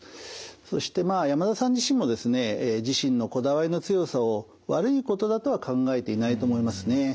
そしてまあ山田さん自身もですね自身のこだわりの強さを悪いことだとは考えていないと思いますね。